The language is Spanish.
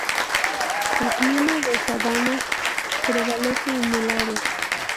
El clima de sabana prevalece en el área.